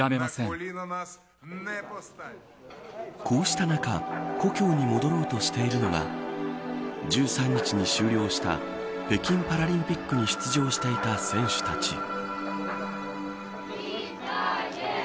こうした中、故郷に戻ろうとしているのが１３日に終了した北京パラリンピックに出場していた選手たち。